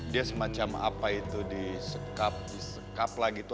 dia semacam apa itu disekap di sekap lah gitu